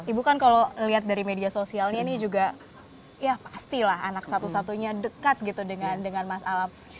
ibu kan kalau lihat dari media sosialnya ini juga ya pastilah anak satu satunya dekat gitu dengan mas alam